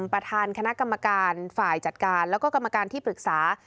ประธานคณะกรรมการฝ่ายจัดการแล้วก็กรรมการที่ปรึกษา